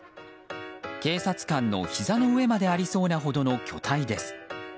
警察官のひざの上までありそうなほどの巨体です。